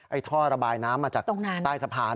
ท่อระบายน้ำมาจากใต้สะพาน